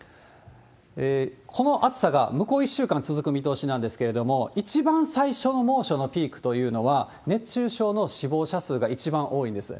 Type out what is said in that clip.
この暑さが向こう１週間続く見通しなんですけど、一番最初の猛暑のピークというのは、熱中症の死亡者数が一番多いんです。